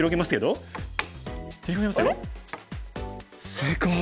正解！